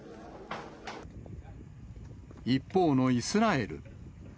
一方のイスラエル。